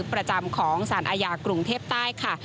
ประจำของสารอาญากรุงเทพใต้ค่ะ